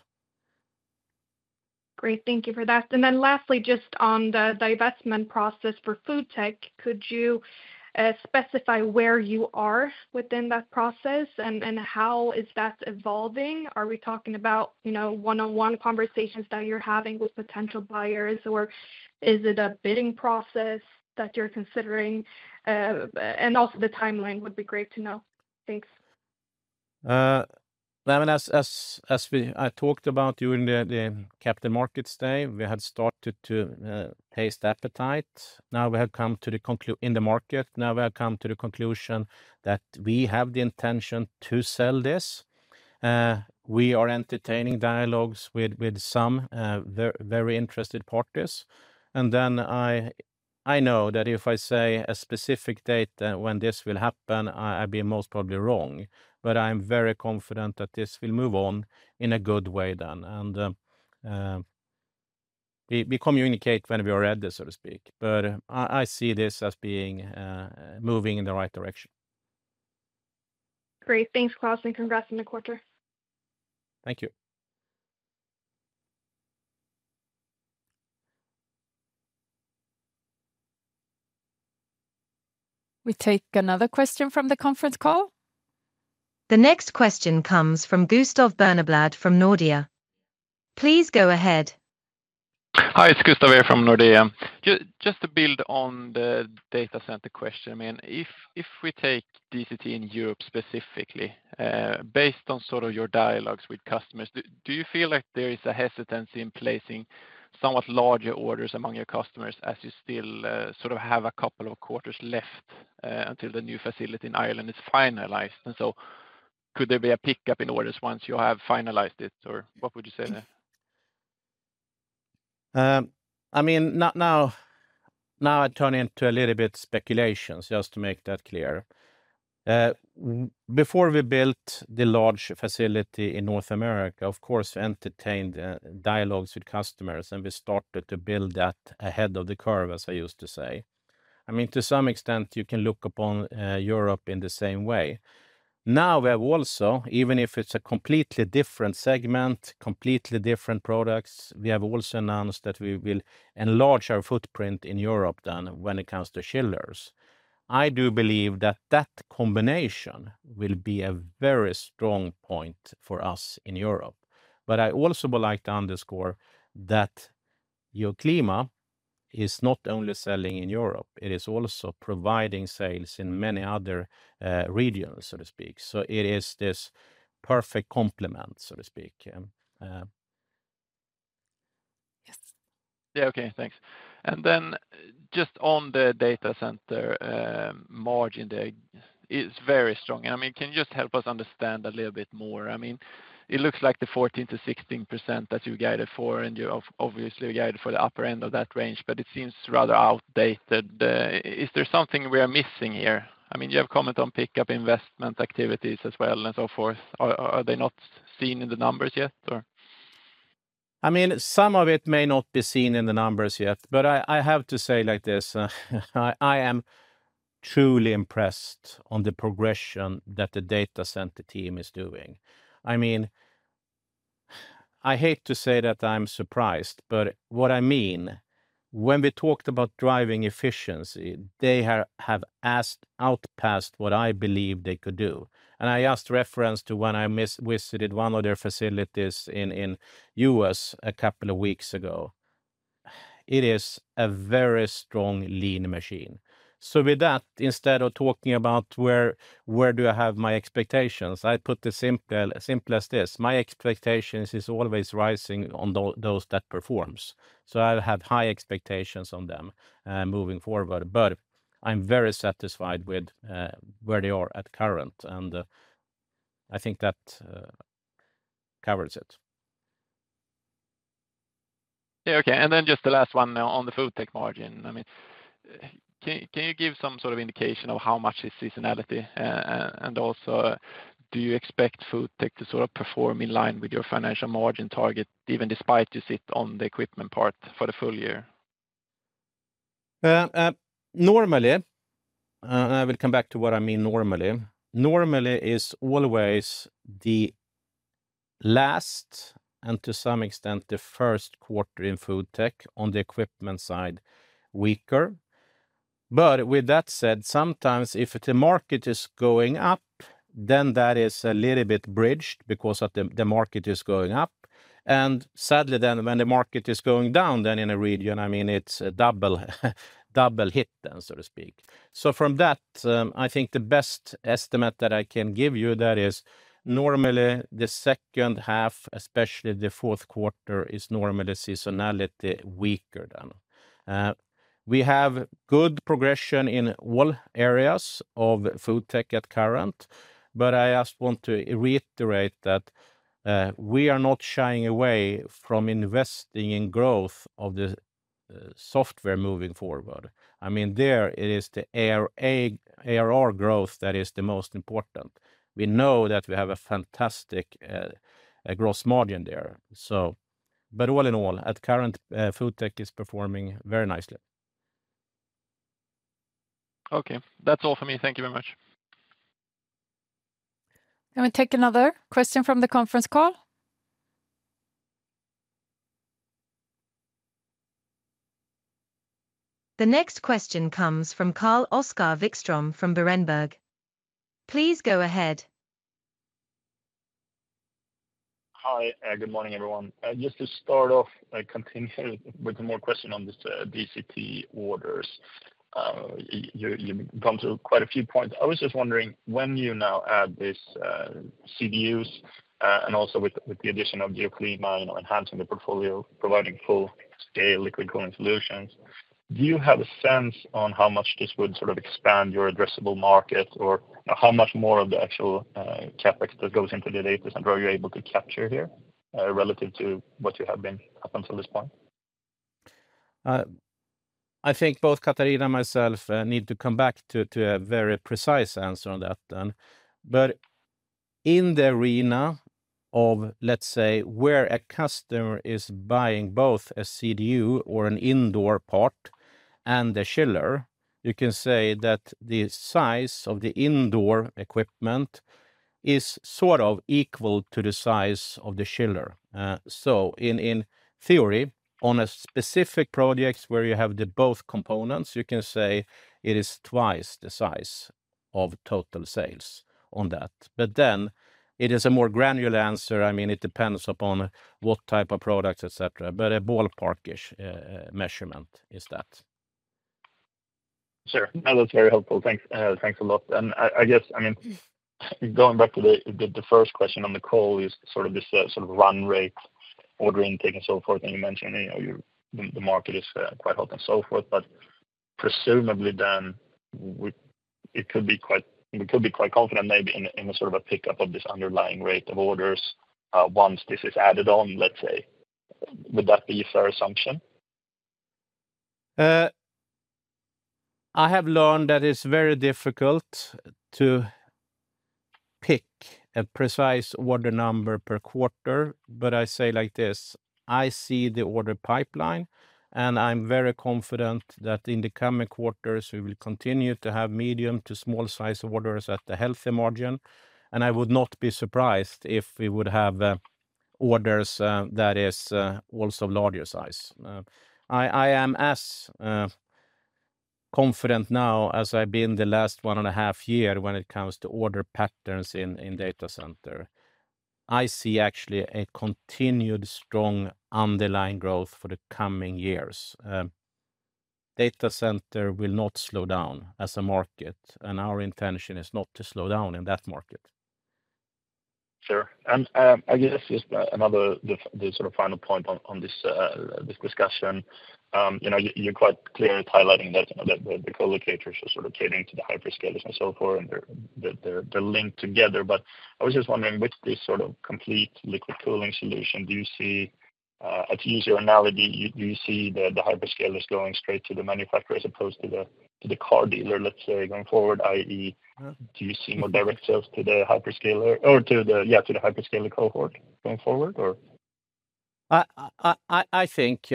Great, thank you for that. And then lastly, just on the divestment process for FoodTech, could you specify where you are? within that process and how is that evolving? Are we talking about, you know, one-on-one conversations that you're having with potential buyers, or is it a bidding process that you're considering? And also the timeline would be great to know. Thanks. I mean, as we talked about during the Capital Markets Day, we had started to have an appetite. Now we have come to the conclusion that we have the intention to sell this. We are entertaining dialogues with some very interested parties. And then I know that if I say a specific date when this will happen, I'd be most probably wrong, but I'm very confident that this will move on in a good way then. We communicate when we are ready, so to speak. But, I see this as being moving in the right direction. Great. Thanks, Klas, and congrats on the quarter. Thank you. We take another question from the conference call. The next question comes from Gustav Berneblad from Nordea. Please go ahead. Hi, it's Gustav here from Nordea. Just to build on the data center question, I mean, if we take DCT in Europe specifically, based on sort of your dialogues with customers, do you feel like there is a hesitancy in placing somewhat larger orders among your customers as you still sort of have a couple of quarters left until the new facility in Ireland is finalized? And so, could there be a pickup in orders once you have finalized it, or what would you say there? I mean, now I turn into a little bit speculations, just to make that clear. Before we built the large facility in North America, of course, entertained dialogues with customers, and we started to build that ahead of the curve, as I used to say. I mean, to some extent, you can look upon Europe in the same way. Now, we have also, even if it's a completely different segment, completely different products, we have also announced that we will enlarge our footprint in Europe than when it comes to chillers. I do believe that that combination will be a very strong point for us in Europe. But I also would like to underscore that Geoclima is not only selling in Europe, it is also providing sales in many other regions, so to speak so, it is this perfect complement, so to speak. Yes. Yeah, okay, thanks. And then just on the data center margin there is very strong. I mean, can you just help us understand a little bit more? I mean, it looks like the 14%-16% that you guided for, and you're obviously guided for the upper end of that range, but it seems rather outdated. Is there something we are missing here? I mean, you have comment on pickup investment activities as well, and so forth. Are they not seen in the numbers yet, or? I mean, some of it may not be seen in the numbers yet, but I, I have to say like this: I, I am truly impressed on the progression that the data center team is doing. I mean... I hate to say that I'm surprised, but, what I mean, when we talked about driving efficiency, they have, have asked out past what I believed they could do. And I just referenced to when I visited one of their facilities in, in U.S. a couple of weeks ago. It is a very strong lean machine. So with that, instead of talking about where, where do I have my expectations, I put the simple, simple as this: my expectations is always rising on those that performs. I have high expectations on them moving forward, but, I'm very satisfied with where they are at current, and I think that covers it. Yeah. Okay, and then just the last one now on the FoodTech margin. I mean, can you give some sort of indication of how much is seasonality? And also, do you expect FoodTech to sort of perform in line with your financial margin target, even despite you sit on the equipment part for the full year? Normally, and I will come back to what I mean normally. Normally is always the last, and to some extent, the Q1 in FoodTech on the equipment side, weaker. But, with that said, sometimes if the market is going up, then that is a little bit bridged because of the, the market is going up. And, sadly, then when the market is going down, then in a region, I mean, it's a double, double hit then, so to speak. So from that, I think the best estimate that I can give you, that is normally the second half, especially the Q4, is normally seasonality weaker then. We have good progression in all areas of FoodTech at current, but I just want to reiterate that, we are not shying away from investing in growth of the, the software moving forward. I mean, there it is, the ARR growth that is the most important. We know that we have a fantastic, gross margin there, so, but all in all, at current, FoodTech is performing very nicely. Okay, that's all for me. Thank you very much. Can we take another question from the conference call? The next question comes from Carl-Oscar Wikström from Berenberg. Please go ahead. Hi, good morning, everyone. Just to start off, I continue with more question on this, DCT orders. You, you've come to quite a few points i was just wondering, when you now add this, CDUs, and also with, with the addition of Geoclima, you know, enhancing the portfolio, providing full-scale liquid cooling solutions, do you have a sense? on how much this would sort of expand your addressable market? Or how much more of the actual, CapEx that goes into the data center are you able to capture here, relative to what you have been up until this point? I think both Katharina and myself need to come back to, to a very precise answer on that then. But, in the arena of, let's say, where a customer is buying both a CDU or an indoor part and a chiller, you can say that the size of the indoor equipment is sort of equal to the size of the chiller. So in, in theory, on a specific project where you have the both components, you can say it is twice the size of total sales on that. But then, it is a more granular answer i mean, it depends upon what type of products, et cetera, but a ballpark-ish measurement is that. Sure. That was very helpful. Thanks, thanks a lot. And I guess, I mean, going back to the first question on the call is sort of this sort of run rate ordering thing and so forth, and you mentioned, you know, the market is quite hot and so forth but, presumably then, it could be quite, we could be quite confident maybe in a, in a sort of a pickup of this underlying rate of orders once this is added on, let's say. Would that be a fair assumption? I have learned that it's very difficult to pick a precise order number per quarter, but I say like this: I see the order pipeline, and I'm very confident that in the coming quarters, we will continue to have medium to small size orders at the healthy margin, and I would not be surprised if we would have orders that is also larger size. I am as confident now as I've been the last one and a half year when it comes to order patterns in data center. I see actually a continued strong underlying growth for the coming years. Data center will not slow down as a market, and our intention is not to slow down in that market. Sure. And, I guess just another, the, the sort of final point on, on this, this discussion. You know, you're, you're quite clear at highlighting that, you know, the, the co-locators are sort of catering to the hyperscalers and so forth, and they're, they're, they're linked together. But, I was just wondering, with this sort of complete liquid cooling solution, do you see, to use your analogy, do you, do you see the, the hyperscalers going straight to the manufacturer as opposed to the, to the car dealer, let's say, going forward, i.e., do you see more direct sales to the hyperscaler or to the, yeah, to the hyperscaler cohort going forward or? I think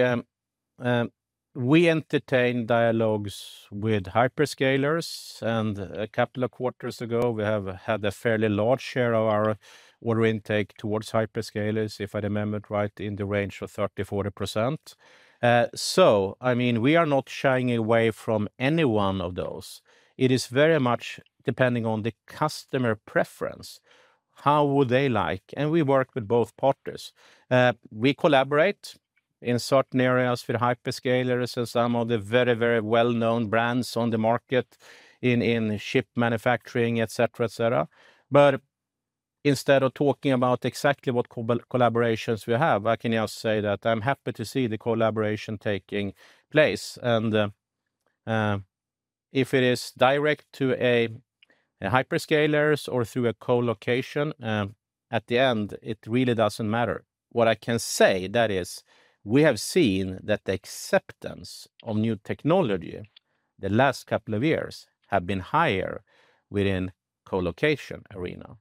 we entertain dialogues with hyperscalers, and a couple of quarters ago, we have had a fairly large share of our order intake towards hyperscalers, if I remember it right, in the range of 30%-40%. So, I mean, we are not shying away from any one of those. It is very much depending on the customer preference. How would they like? And we work with both partners. We collaborate in certain areas with hyperscalers and some of the very, very well-known brands on the market in ship manufacturing, et cetera, et cetera. But, instead of talking about exactly what collaborations we have, I can just say that I'm happy to see the collaboration taking place. And, if it is direct to a hyperscalers or through a co-location, at the end, it really doesn't matter. What I can say, that is, we have seen that the acceptance of new technology the last couple of years have been higher within co-location arena.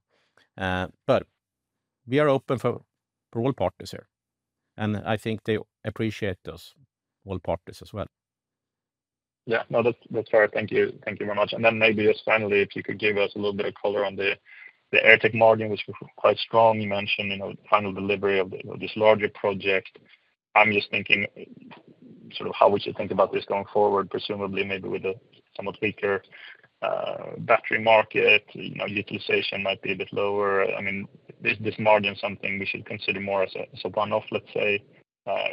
But, we are open for, for all partners here, and I think they appreciate us, all partners as well. Yeah. No, that's, that's fair. Thank you. Thank you very much. And then maybe just finally, if you could give us a little bit of color on the, the AirTech margin, which was quite strong, you mentioned, you know, final delivery of, of this larger project. I'm just thinking, sort of, how would you think about this going forward? Presumably, maybe with a somewhat weaker battery market, you know, utilization might be a bit lower. I mean, this, this margin is something we should consider more as a, as a one-off, let's say,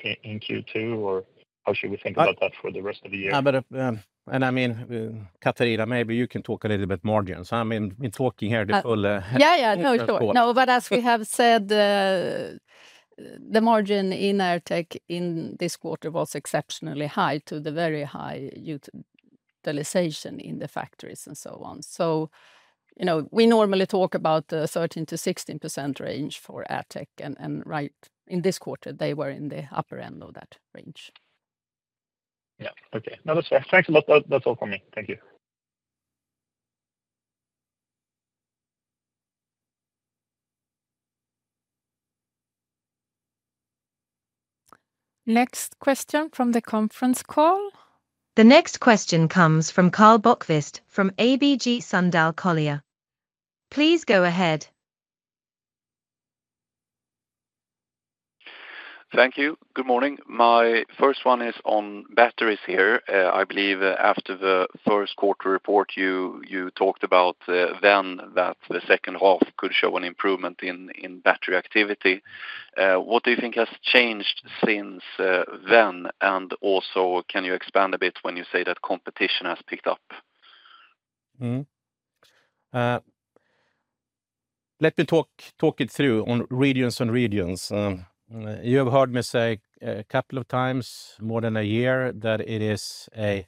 in, in Q2, or how should we think about that for the rest of the year? I mean, Katharina, maybe you can talk a little bit margins. I mean, in talking here, the full, Yeah, yeah. No, sure but as we have said, the margin in AirTech in this quarter was exceptionally high to the very high utilization in the factories and so on. So, you know, we normally talk about 13%-16% range for AirTech, and, and right in this quarter, they were in the upper end of that range. Yeah. Okay. No, that's fair. Thanks a lot. That, that's all for me. Thank you. Next question from the conference call. The next question comes from Karl Bokvist from ABG Sundal Collier. Please go ahead. Thank you. Good morning. My first one is on batteries here. I believe after the Q1 report, you talked about then that the second half could show an improvement in battery activity. What do you think has changed since then? And also, can you expand a bit when you say that competition has picked up? Mm-hmm. Let me talk it through on regions. You have heard me say a couple of times, more than a year, that it is a,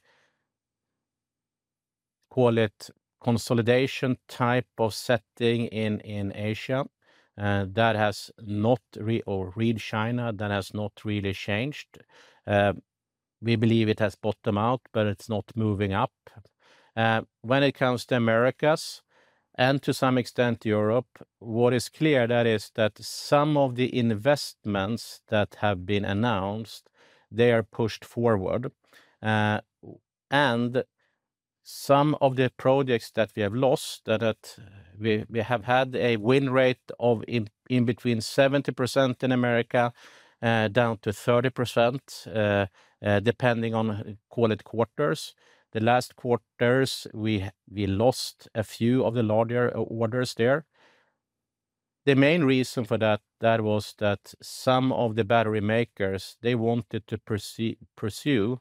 call it, consolidation type of setting in Asia, that has not recovered in China, that has not really changed. We believe it has bottomed out, but it's not moving up. When it comes to Americas, and to some extent, Europe, what is clear, that is that some of the investments that have been announced, they are pushed forward. And, some of the projects that we have lost, that we have had a win rate of in between 70% in Americas, down to 30%, depending on, call it, quarters. The last quarters, we lost a few of the larger orders there. The main reason for that, that was that some of the battery makers, they wanted to pursue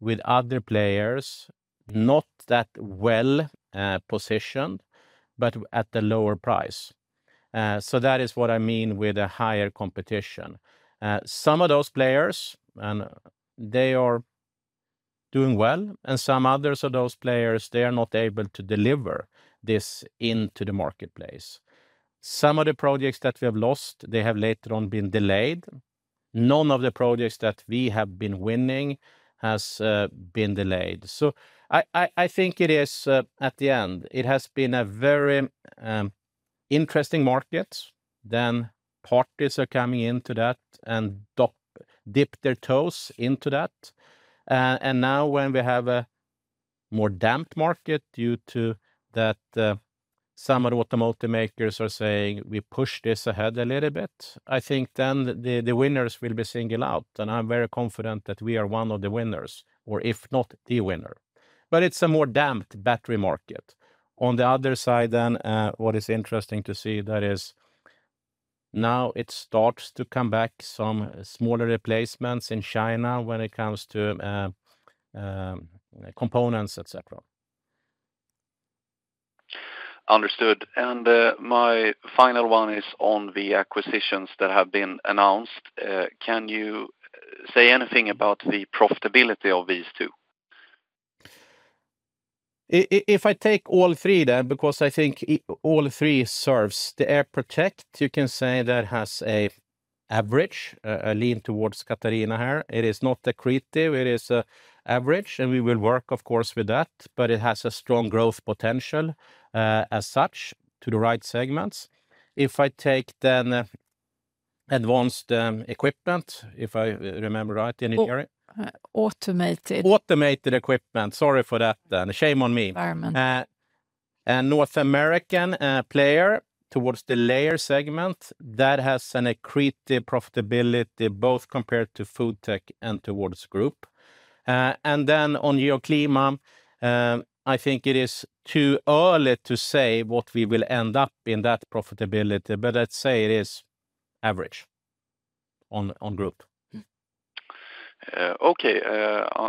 with other players, not that well positioned, but at the lower price. So that is what I mean with a higher competition. Some of those players, and they are doing well, and some others of those players, they are not able to deliver this into the marketplace. Some of the projects that we have lost, they have later on been delayed. None of the projects that we have been winning has been delayed. So, I think it is, at the end, it has been a very interesting market, then parties are coming into that and dip their toes into that. And now when we have a more dampened market due to that, some of the automakers are saying, "We push this ahead a little bit," I think then the, the winners will be singled out, and I'm very confident that we are one of the winners, or if not the winner. But it's a more dampened battery market. On the other side, then, what is interesting to see, that is now it starts to come back some smaller replacements in China when it comes to, components, et cetera. Understood. And, my final one is on the acquisitions that have been announced. Can you say anything about the profitability of these two? If I take all three then, because I think all three serves the Airprotech, you can say that has an average, a lean towards Katharina here. It is not accretive, it is average, and we will work, of course, with that, but it has a strong growth potential, as such, to the right segments. If I take then advanced equipment, if I remember right in the area? Automated. Automated equipment! Sorry for that, shame on me. Environment. A North American player towards the layer segment that has an accretive profitability, both compared to FoodTech and towards group. And then on Geoclima, I think it is too early to say what we will end up in that profitability, but let's say it is average on group. Okay,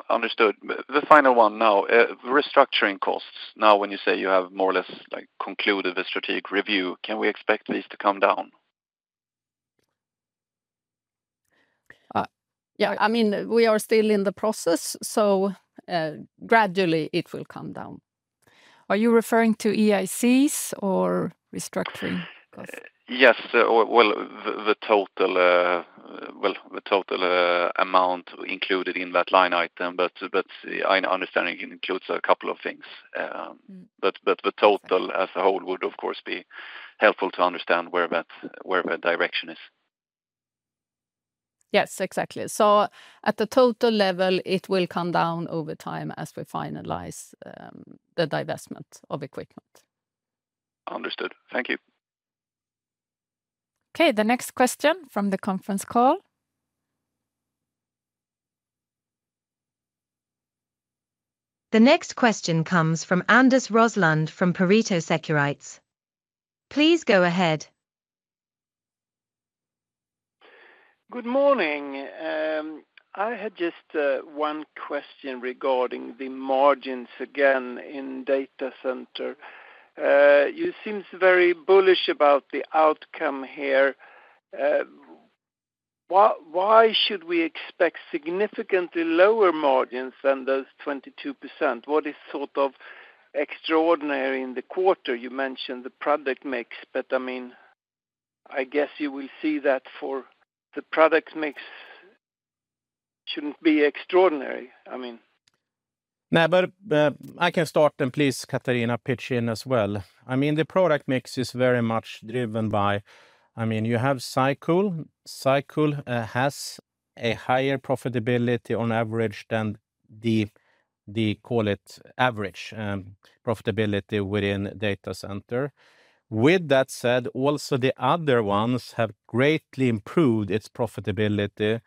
understood. The final one now, restructuring costs. Now, when you say you have more or less, like, concluded the strategic review, can we expect these to come down? Yeah, I mean, we are still in the process, so, gradually it will come down. Are you referring to IACs or restructuring costs? Yes. Well, the total amount included in that line item, but I understand it includes a couple of things. But, the total as a whole would, of course, be helpful to understand where that direction is. Yes, exactly. So, at the total level, it will come down over time as we finalize the divestment of equipment. Understood. Thank you. Okay, the next question from the conference call. The next question comes from Anders Roslund from Pareto Securities. Please go ahead. Good morning. I had just one question regarding the margins again in data center. You seems very bullish about the outcome here. Why? should we expect significantly lower margins than those 22%? What is sort of extraordinary in the quarter? You mentioned the product mix, but, I mean, I guess you will see that for the product mix shouldn't be extraordinary, I mean. No, but, I can start, and please, Katharina, pitch in as well. I mean, the product mix is very much driven by... I mean, you have SyCool. SyCool has a higher profitability on average than the, the, call it, average profitability within data center. With that said, also, the other ones have greatly improved its profitability.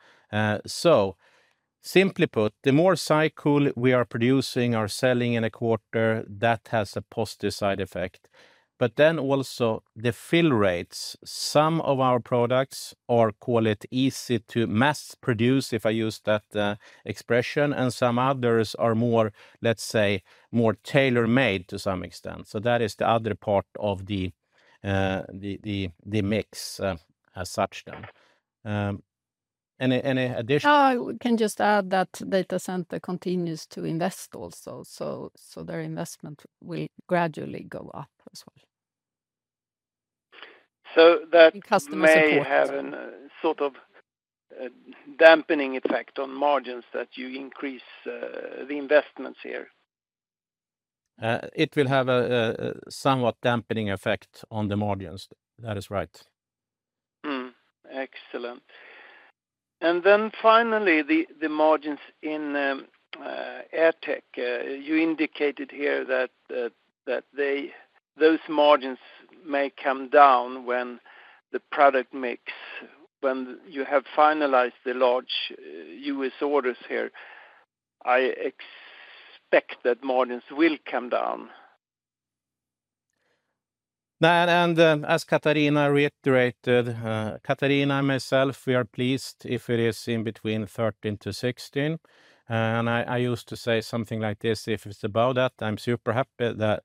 So, simply put, the more SyCool we are producing or selling in a quarter, that has a positive side effect. But then also the fill rates, some of our products are, call it, easy to mass produce, if I use that expression, and some others are more, let's say, more tailor-made to some extent. So that is the other part of the mix as such, then. Any addition? I can just add that data center continues to invest also, so their investment will gradually go up as well. So that- Customer support... may have a sort of dampening effect on margins that you increase the investments here. It will have a somewhat dampening effect on the margins. That is right. Mm-hmm. Excellent. And then finally, the margins in AirTech. You indicated here that those margins may come down when the product mix, when you have finalized the large U.S. orders here. I expect that margins will come down. That, and, as Katharina reiterated, Katharina and myself, we are pleased if it is in between 13-16. And i used to say something like this, "If it's about that, I'm super happy that,"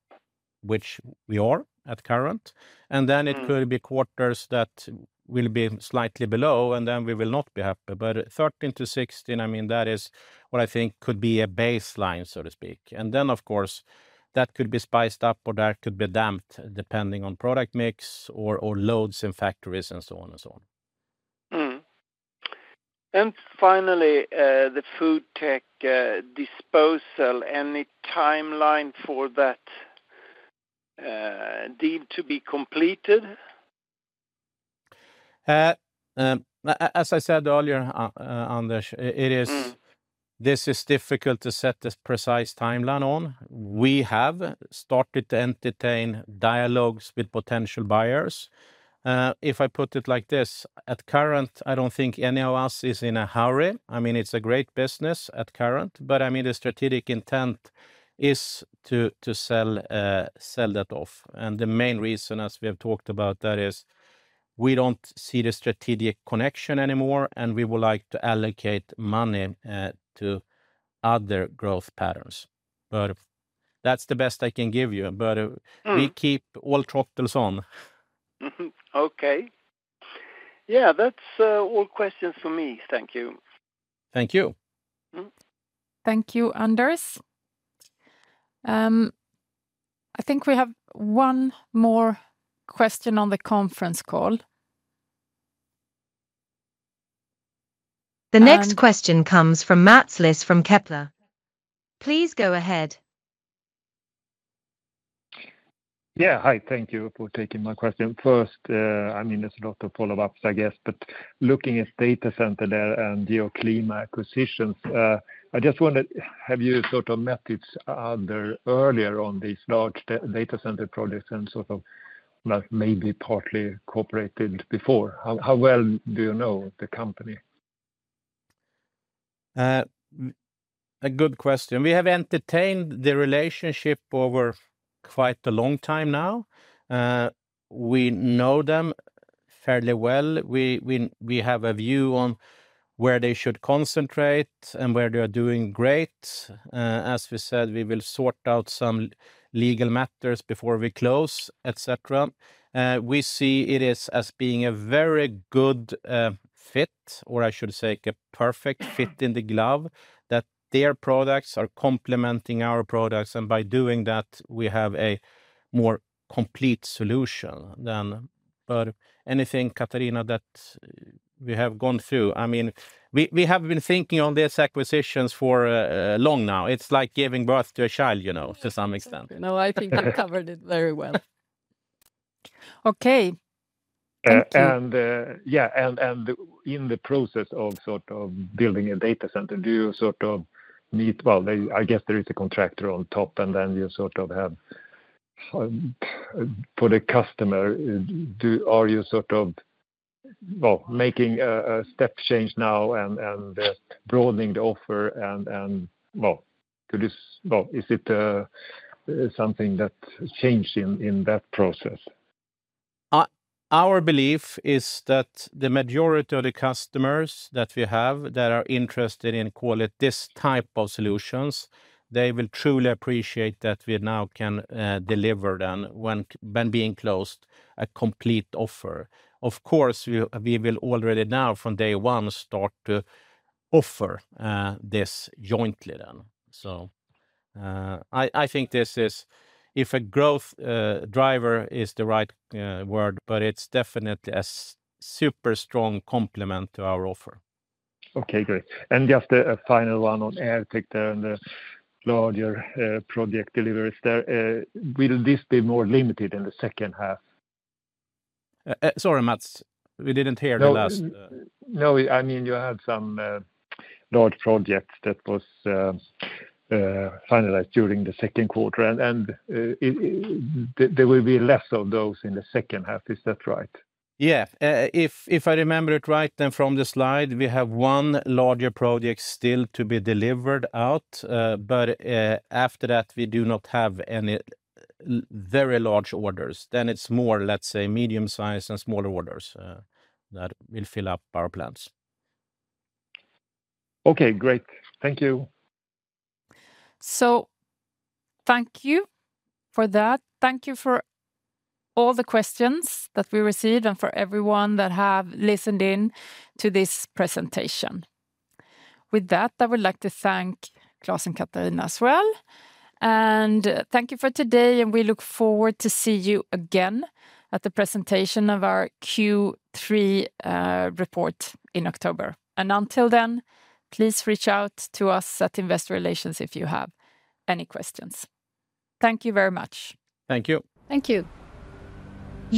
which we are at current. Mm. And then it could be quarters that will be slightly below, and then we will not be happy but 13-16, I mean, that is what I think could be a baseline, so to speak and then, of course, that could be spiced up or that could be damped, depending on product mix or, or loads in factories and so on and so on. Finally, the FoodTech disposal. Any timeline for that deal to be completed? As I said earlier, Anders, it is- Mm... this is difficult to set a precise timeline on. We have started to entertain dialogues with potential buyers. If I put it like this, at current, I don't think any of us is in a hurry. I mean, it's a great business at current, but, I mean, the strategic intent is to, to sell, sell that off. And the main reason, as we have talked about, that is we don't see the strategic connection anymore, and we would like to allocate money, to other growth patterns. But that's the best I can give you, but- Mm... we keep all throttles on. Mm-hmm. Okay. Yeah, that's all questions for me. Thank you. Thank you. Mm-hmm. Thank you, Anders. I think we have one more question on the conference call. The next question comes from Mats Liss from Kepler. Please go ahead. Yeah. Hi, thank you for taking my question first, I mean, there's a lot of follow-ups, I guess, but looking at data center there and your Geoclima acquisitions, I just wondered, have you sort of met each other earlier on these large data center projects and sort of, like, maybe partly cooperated before? How, how well do you know the company? A good question. We have entertained the relationship over quite a long time now. We know them fairly well. We have a view on where they should concentrate and where they are doing great. As we said, we will sort out some legal matters before we close, et cetera. We see it is as being a very good, fit, or I should say, a perfect fit in the glove, that their products are complementing our products, and by doing that, we have a more complete solution than for anything, Katharina, that we have gone through i mean, we have been thinking on these acquisitions for long now. It's like giving birth to a child, you know, to some extent. No, I think you covered it very well. Okay, thank you. Yeah, and in the process of sort of building a data center, do you sort of meet, Well, I guess there is a contractor on top, and then you sort of have, for the customer, are you sort of, well, making a step change now and broadening the offer, and, well, could this... Well, is it something that changed in that process? Our belief is that the majority of the customers that we have that are interested in, call it, this type of solutions, they will truly appreciate that we now can deliver them when being close to a complete offer. Of course, we will already now from day one start to offer this jointly then. So, I think this is, if a growth driver is the right word, but it's definitely a super strong complement to our offer. Okay, great. And just a final one on AirTech there and the larger, project deliveries there. Will this be more limited in the second half? Sorry, Mats, we didn't hear the last. No, no, I mean, you had some large projects that was finalized during the Q2, and, and there will be less of those in the second half, is that right? Yeah. If, if I remember it right, then from the slide, we have one larger project still to be delivered out, but, after that, we do not have any very large orders. Then it's more, let's say, medium-sized and smaller orders, that will fill up our plans. Okay, great. Thank you. Thank you for that. Thank you for all the questions that we received and for everyone that have listened in to this presentation. With that, I would like to thank Klas and Katharina as well, and thank you for today, and we look forward to see you again at the presentation of our Q3 report in October. Until then, please reach out to us at Investor Relations if you have any questions. Thank you very much. Thank you. Thank you.